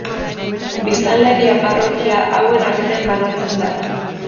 Biztanleria parrokia hauen artean banatzen da.